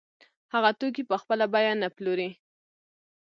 هغه توکي په خپله بیه نه پلوري